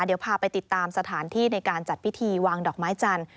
เดี๋ยวพาไปติดตามสถานที่ในการจัดพิธีวางดอกไม้จันทร์